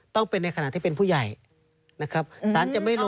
ต้องเป็นในขณะที่เป็นผู้ใหญ่นะครับ